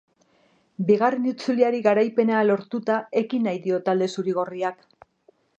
Bigarren itzuliari garaipena lortuta ekin nahi dio talde zuri-gorriak.